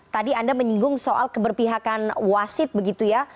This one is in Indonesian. tadi anda menyinggung soal keberpihakan wasit begitu ya